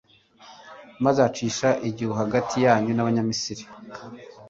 maze acisha igihu hagati yanyu n'abanyamisiri